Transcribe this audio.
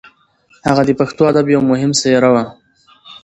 هغه د پښتو ادب یو مهم څېره وه.